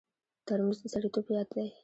ترموز د سړیتوب یاد دی.